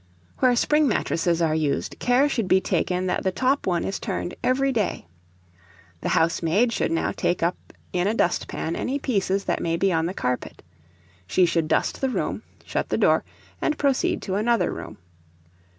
Where spring mattresses are used, care should be taken that the top one is turned every day. The housemaid should now take up in a dustpan any pieces that may be on the carpet; she should dust the room, shut the door, and proceed to another room.